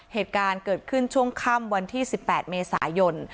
เหตุการณ์เกิดขึ้นช่วงค่ำวันที่๑๘เมษายน